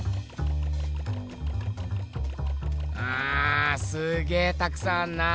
うんすげぇたくさんあんな。